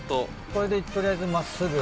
これで取りあえず真っすぐ。